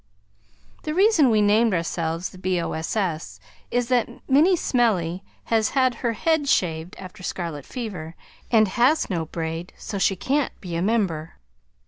The reason we named ourselves the B.O.S.S. is that Minnie Smellie has had her head shaved after scarlet fever and has no braid, so she can't be a member.